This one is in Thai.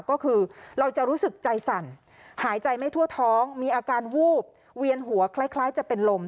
ก็คือเราจะรู้สึกใจสั่นหายใจไม่ทั่วท้องมีอาการวูบเวียนหัวคล้ายจะเป็นลม